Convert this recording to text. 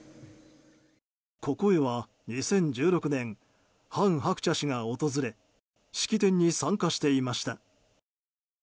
ここへは２０１６年韓鶴子氏が訪れ式典に参加していました。